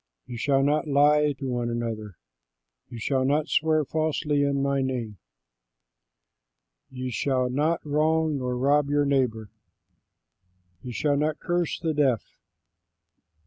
You shall not lie to one another. You shall not swear falsely in my name. You shall not wrong nor rob your neighbor. You shall not curse the deaf.